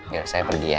ya saya pergi ya